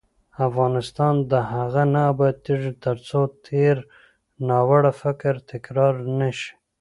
افغانستان تر هغو نه ابادیږي، ترڅو د تیر ناوړه فکر تکرار نشي.